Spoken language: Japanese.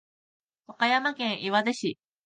和歌山県岩出市